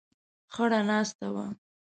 خړه ناسته وه.